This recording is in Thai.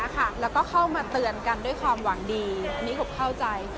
ต้องเข้ามาเตือนกันด้วยความหวังดีนี้ผมเข้าใจ